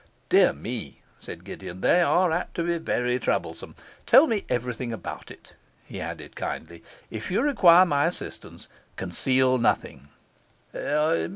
'Dear me,' said Gideon, 'they are apt to be very troublesome. Tell me everything about it,' he added kindly; 'if you require my assistance, conceal nothing.